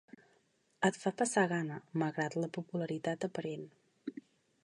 Et fa passar gana, malgrat la popularitat aparent.